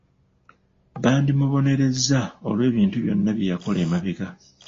Bandimubonerezza olw'ebintu byonna bye yakola emabega.